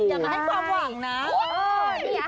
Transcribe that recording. อย่ามาให้ความหวังนะ